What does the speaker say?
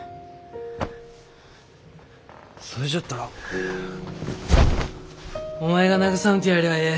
それじゃったらお前が慰めてやりゃあええ。